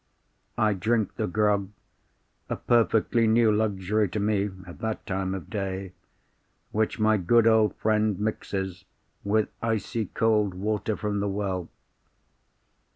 I drink the grog (a perfectly new luxury to me, at that time of day), which my good old friend mixes with icy cold water from the well.